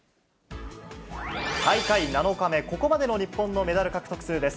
大会７日目、ここまでの日本のメダル獲得数です。